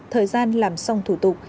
thời gian làm xong thủ tục